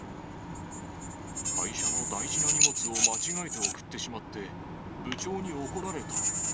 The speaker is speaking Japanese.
会社の大事な荷物を間違えて送ってしまって、部長に怒られた。